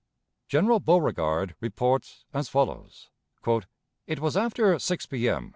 General Beauregard reports as follows: "It was after 6 P.M.